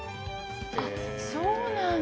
あそうなんだ。